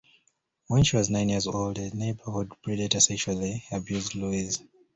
When she was nine years old, a neighborhood predator sexually abused Louise.